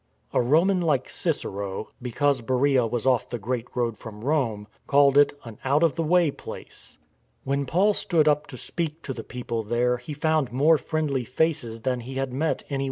^ A Roman like Cicero, be cause Bercea was off the great road from Rome, called it " an out of the way place." * When Paul stood up to speak to the people there he found more friendly faces than he had met any * Strabo I, p.